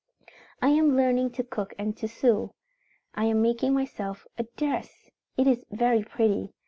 "I am learning to cook and to sew. I am making myself a dress. It is very pretty.